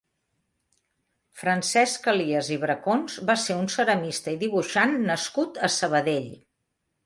Francesc Elias i Bracons va ser un ceramista i dibuixant nascut a Sabadell.